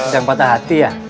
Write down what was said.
jangan patah hati ya